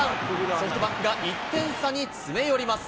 ソフトバンクが１点差に詰め寄ります。